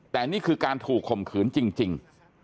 แต่นี่คือการถูกข่มขืนจริง